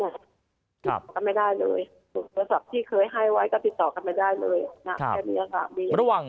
ติดต่อกันไม่ได้เลยโทรศัพท์ที่เคยให้ไว้ก็ติดต่อกันไม่ได้เลย